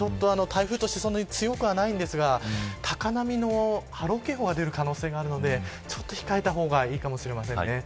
台風としては強くないんですが高波の波浪警報が出る可能性があるのでちょっと控えた方がいいかもしれませんね。